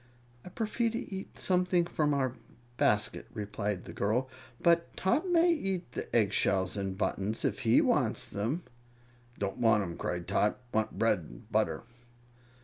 "I prefer to eat something from our basket," replied the girl. "But Tot may eat the egg shells and buttons, if he wants them." "Don't want 'em!" cried Tot. "Want bread and butter."